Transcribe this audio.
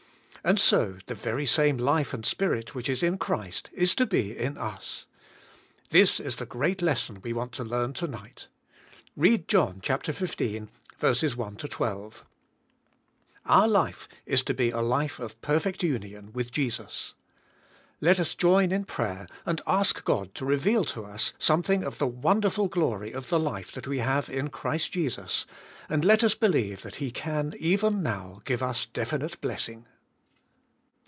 And so the very same life and Spirit which is in Christ is to be in us. This is the great lesson we want to learn to night. Read Jno. 15: 1 12. Our life is to be a life of perfect union with Jesus. Let us join in prayer and ask God to reveal to us something of the wonderful glory of the life that we have in Christ Jesus, and let us believe that He can^ even now, give us definite blessing.